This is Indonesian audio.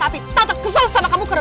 ini dia ini dia ya